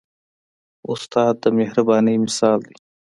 استاد د مهربانۍ مثال دی.